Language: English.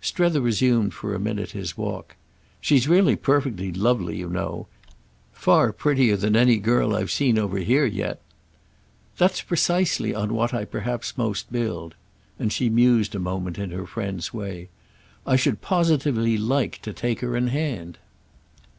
Strether resumed for a minute his walk. "She's really perfectly lovely, you know. Far prettier than any girl I've seen over here yet." "That's precisely on what I perhaps most build." And she mused a moment in her friend's way. "I should positively like to take her in hand!"